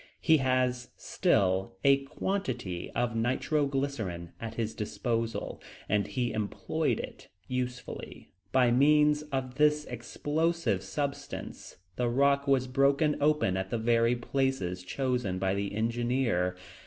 He had still a quantity of nitro glycerine at his disposal, and he employed it usefully. By means of this explosive substance the rock was broken open at the very places chosen by the engineer.